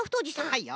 はいよ。